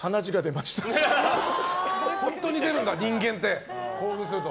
本当に出るんだ、人間って興奮すると。